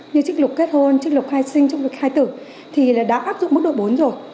như trích lục kết hôn trích lục khai sinh trong lịch khai tử thì đã áp dụng mức độ bốn rồi